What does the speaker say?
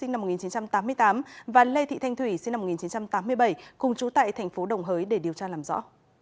năm một nghìn chín trăm tám mươi tám và lê thị thanh thủy sinh năm một nghìn chín trăm tám mươi bảy cùng trú tại thành phố đồng hới để điều tra làm rõ